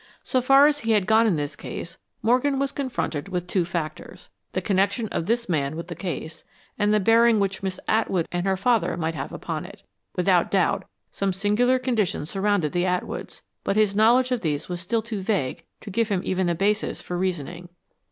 So far as he had gone in this case, Morgan was confronted with two factors; the connection of this man with the case, and the bearing which Miss Atwood and her father might have upon it. Without doubt, some singular conditions surrounded the Atwoods, but his knowledge of these was still too vague to give him even a basis for reasoning.